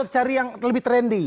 cari yang lebih trendy